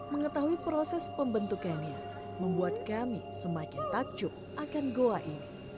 mengetahui proses pembentukannya membuat kami semakin takjub akan goa ini